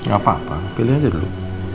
gapapa pilih aja dulu